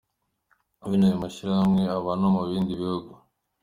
Bene aya mashyirahamwe aba no mu bindi bihugu.